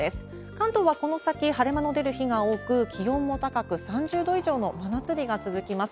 関東はこの先、晴れ間の出る日が多く、気温も高く、３０度以上の真夏日が続きます。